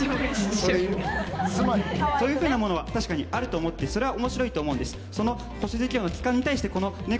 そういうふうなものは確かにあると思ってそれは面白いと思うんです。